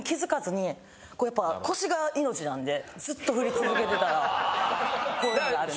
やっぱ腰が命なんでずっと振り続けてたら。